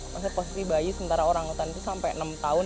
maksudnya pasti bayi sementara orangutan itu sampai enam tahun